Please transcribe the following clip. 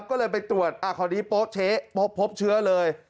ก็เลยไปตรวจขอดีโป๊ะเช๊ะพบเชื้อเลย